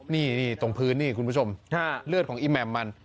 นี่ตรงพื้นนี่คุณผู้ชมเลือดของอีแหม่มมัน